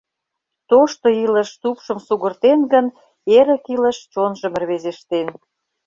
Тошто илыш тупшым сугыртен гын, Эрык илыш чонжым рвезештен.